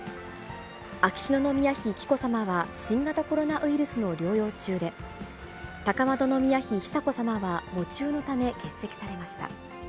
秋篠宮妃紀子さまは新型コロナウイルスの療養中で、高円宮妃久子さまは喪中のため、欠席されました。